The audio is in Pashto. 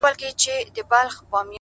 غزل نه نېښ ساز کړي لړم ساز کړي!